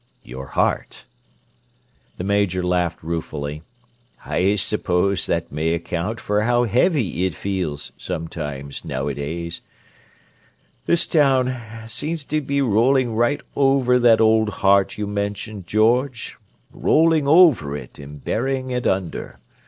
"Your heart." The Major laughed ruefully. "I suppose that may account for how heavy it feels, sometimes, nowadays. This town seems to be rolling right over that old heart you mentioned, George—rolling over it and burying it under!